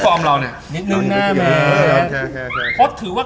พอร์มเรานี่